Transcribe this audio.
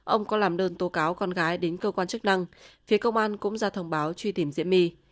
ông có làm đơn tố cáo con gái đến cơ quan chức năng phía công an cũng ra thông báo truy tìm diễm my